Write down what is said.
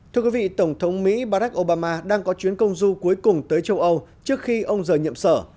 thưa quý vị tổng thống mỹ barack obama đang có chuyến công du cuối cùng tới châu âu trước khi ông rời nhiệm sở